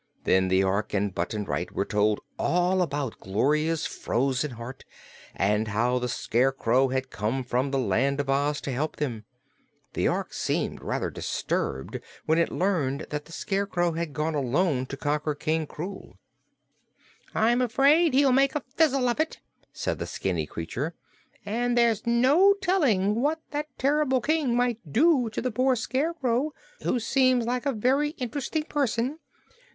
Then the Ork and Button Bright were told all about Gloria's frozen heart and how the Scarecrow had come from the Land of Oz to help them. The Ork seemed rather disturbed when it learned that the Scarecrow had gone alone to conquer King Krewl. "I'm afraid he'll make a fizzle of it," said the skinny creature, "and there's no telling what that terrible King might do to the poor Scarecrow, who seems like a very interesting person.